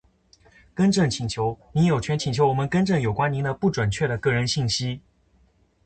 更正请求。您有权请求我们更正有关您的不准确的个人信息。